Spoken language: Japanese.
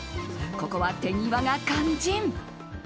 ここは手際が肝心。